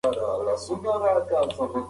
هغه خلک چې په ډګر کې پاتې شول.